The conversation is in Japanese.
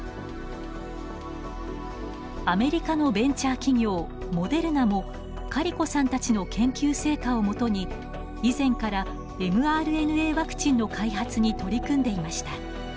アメリカのベンチャー企業モデルナもカリコさんたちの研究成果をもとに以前からｍＲＮＡワクチンの開発に取り組んでいました。